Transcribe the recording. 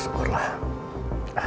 saya boleh minta tolong sus